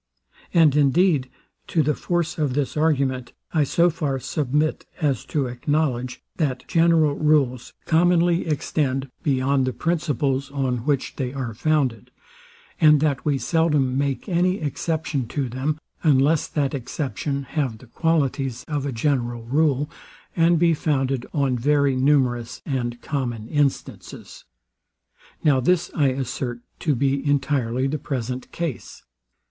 And indeed, to the force of this argument I so far submit, as to acknowledge, that general rules commonly extend beyond the principles, on which they are founded; and that we seldom make any exception to them, unless that exception have the qualities of a general rule, and be founded on very numerous and common instances. Now this I assert to be entirely the present case.